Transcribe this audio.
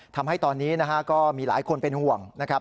ทำให้ตอนนี้นะฮะก็มีหลายคนเป็นห่วงนะครับ